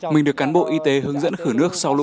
mình được cán bộ y tế hướng dẫn khử nước sau lũ